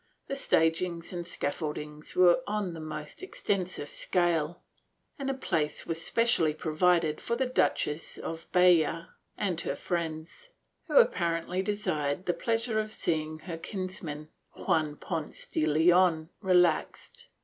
The stagings and scaffoldings were on the most extensive scale and a place was specially provided for the Duchess of Bejar and her friends, who apparently desired the pleasure of seeing her kinsman, Juan Ponce de Leon relaxed.